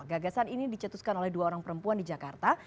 gagasan ini dicetuskan oleh dua orang perempuan di jakarta